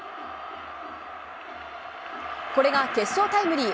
これが決勝タイムリー。